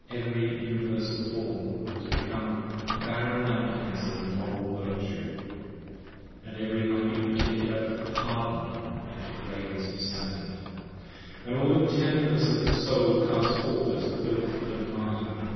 Every Universal Form was become barren mountains of Moral 20 Virtue; and every Minute Particular harden'd into grains of sand: And all the tendernesses of the soul cast forth as filth & mire.